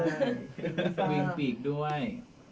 วิงปีกด้วย